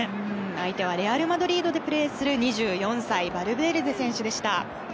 相手はレアル・マドリードでプレーする２４歳バルベルデ選手でした。